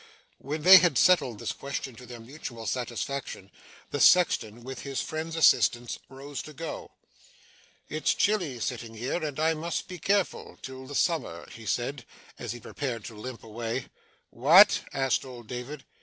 When they had settled this question to their mutual satisfaction, the sexton, with his friend's assistance, rose to go. 'It's chilly, sitting here, and I must be careful till the summer,' he said, as he prepared to limp away. 'What?' asked old David.